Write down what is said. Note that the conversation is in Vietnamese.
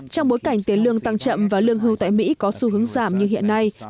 trong bối cảnh tiền lương tăng chậm và lương hưu tại mỹ có xu hướng giảm như hiện nay